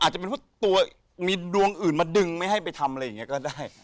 อาจจะเป็นเพราะตัวมีดวงอื่นมาดึงไม่ให้ไปทำอะไรอย่างนี้ก็ได้